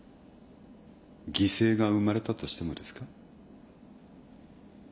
犠牲が生まれたとしてもですか。